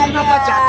kamu kenapa jatuh